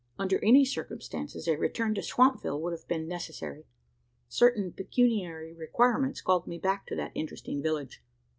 Under any circumstances, a return to Swampville would have been necessary: certain pecuniary requirements called me back to that interesting village.